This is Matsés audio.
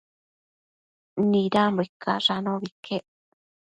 Nidambo icash anobi iquec